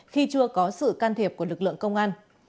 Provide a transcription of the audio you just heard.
khi chưa có sự can thiệp của lực lượng công an